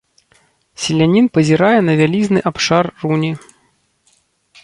Селянін пазірае на вялізны абшар руні.